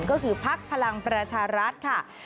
ก็คือพักพลังประชารัฐค่ะ